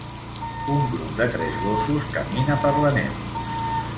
Un grup de tres gossos camina per la neu.